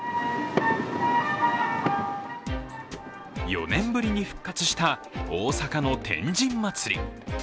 ４年ぶりに復活した大阪の天神祭